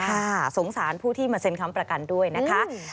สงสารผู้ที่มาเซ็นคำประกันด้วยนะคะ